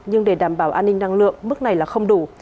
nhưng để đảm bảo an ninh năng lượng mức này là không đủ